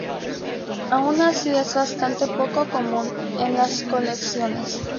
Aun así es bastante poco común en las colecciones.